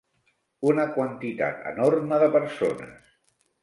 Una quantitat enorme de persones.